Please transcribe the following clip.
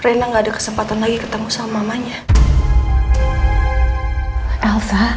ini adalah teman teman kami